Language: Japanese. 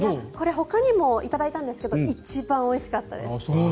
ほかにもいただいたんですけど一番おいしかったです。